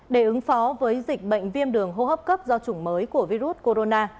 để ứng phó với dịch bệnh viêm đường hô hấp cấp do chủng mới của virus corona